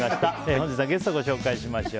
本日のゲストご紹介します。